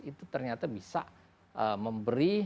itu ternyata bisa memberi